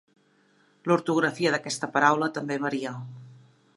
L'ortografia d'aquesta paraula també varia.